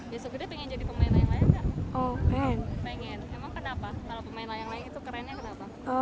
besok gede pengen jadi pemain layang layang nggak